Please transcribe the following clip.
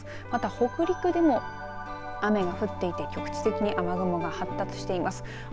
また北陸でも雨が降っていて局地的に雨雲が発達しています。